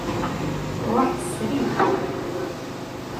Ruḥ srid.